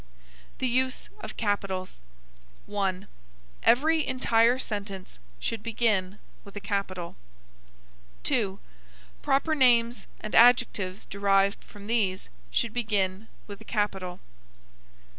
THE USE OF CAPITALS. 1. Every entire sentence should begin with a capital. 2. Proper names, and adjectives derived from these, should begin with a capital.